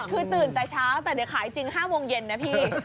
คือตื่นแต่เช้าแต่เดี๋ยวขายจริง๕โมงเย็นนะพี่